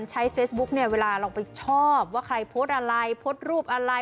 ใช้เฟซบุ๊กเนี่ยเวลาเราไปชอบว่าใครโพสต์อะไรโพสต์รูปอะไร